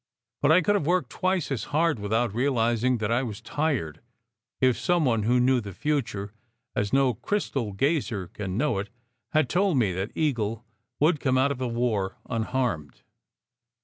But I could have worked twice as hard without realizing that I was tired, if some one who knew the future, as no crystal gazer can know it, had told me that Eagle would come out of the war unharmed.